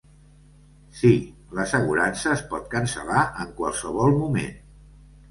Sí, l'assegurança es pot cancel·lar en qualsevol moment.